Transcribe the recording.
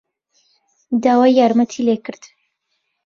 داوای یارمەتیی لێ کرد.